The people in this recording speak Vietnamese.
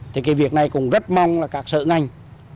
thì cái việc này cũng rất mong là các sở ngành